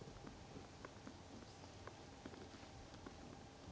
うん。